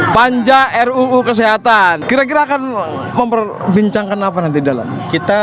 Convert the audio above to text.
panja ruu kesehatan kira kira akan memperbincangkan apa nanti dalam kita